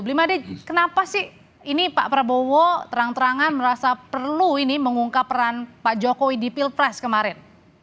blimade kenapa sih ini pak prabowo terang terangan merasa perlu ini mengungkap peran pak jokowi di pilpres kemarin